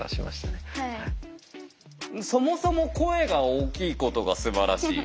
そもそも声が大きいことがすばらしい。